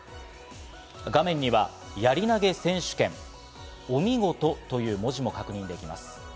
画面には「やり投げ選手権」、「おみごと」という文字も確認できます。